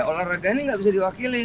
olahraga ini nggak bisa diwakili